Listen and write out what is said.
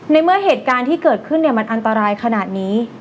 ในเมื่อเหตุการณ์ที่เกิดขึ้นมันอันตรายขนาดนี้